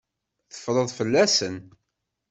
Teffreḍ fell-asen.